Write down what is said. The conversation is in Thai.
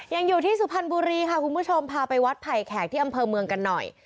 ยังอยู่ที่สุพรรณบุรีค่ะคุณผู้ชมพาไปวัดไผ่แขกที่อำเภอเมืองกันหน่อย